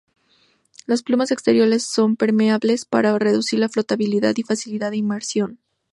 Las plumas exteriores son permeables, para reducir la flotabilidad y facilitar la inmersión.